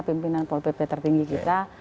pimpinan pol pp tertinggi kita